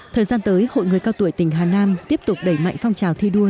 thời gian tới hội người cao tuổi tỉnh hà nam tiếp tục đẩy mạnh phong trào thi đua